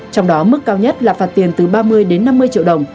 trong đó mức cao nhất là phạt tiền từ ba mươi đến năm mươi triệu đồng